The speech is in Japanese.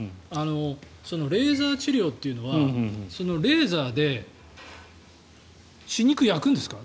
レーザー治療っていうのはレーザーで歯肉を焼くんですか？